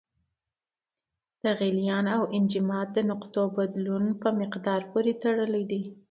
د غلیان او انجماد د نقطو بدلون په مقدار پورې تړلی دی.